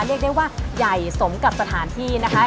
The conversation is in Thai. เรียกได้ว่าใหญ่สมกับสถานที่นะคะ